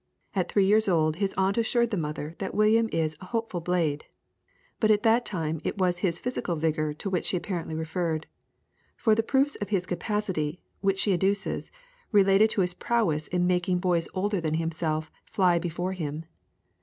At three years old his aunt assured the mother that William is "a hopeful blade," but at that time it was his physical vigour to which she apparently referred; for the proofs of his capacity, which she adduces, related to his prowess in making boys older than himself fly before him.